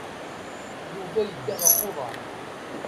Yuba yedda ɣef uḍaṛ.